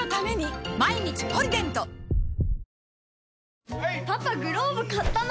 信じぬパパ、グローブ買ったの？